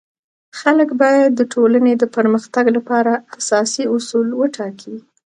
خلک باید د ټولنی د پرمختګ لپاره اساسي اصول وټاکي.